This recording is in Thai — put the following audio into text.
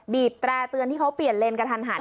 แตร่เตือนที่เขาเปลี่ยนเลนกระทันหัน